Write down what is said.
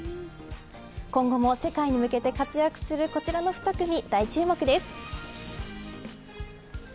今後も世界に向けて活躍するこちらの２組大注目です。